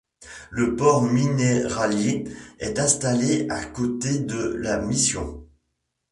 Le port minéralier est installé à côté de la mission.